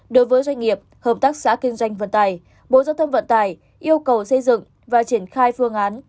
đối với doanh nghiệp hợp tác xã kinh doanh vận tài bộ giám thông vận tài yêu cầu xây dựng và triển khai phương án